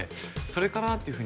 それかなって。